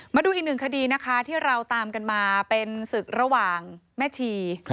มาดูอีกหนึ่งคดีนะคะที่เราตามกันมาเป็นศึกระหว่างแม่ชี